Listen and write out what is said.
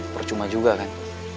percuma juga kan